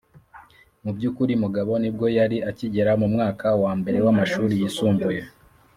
mu by’ukuri mugabo nibwo yari akigera mu mwaka wa mbere w'amashuri yisumbuye